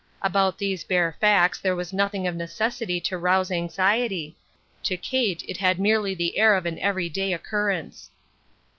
About these bare facts there was nothing of necessity to rouse anxiety ; to Kate it had merely the air of an every day occurrence.